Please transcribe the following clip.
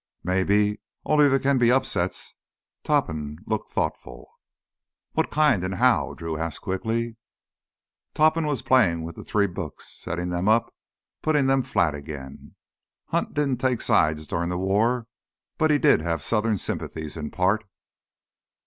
"Maybe, only there can be upsets." Topham looked thoughtful. "What kind—and how?" Drew asked quickly. Topham was playing with the three books, setting them up, putting them flat again. "Hunt didn't take sides during the war, but he did have Southern sympathies in part.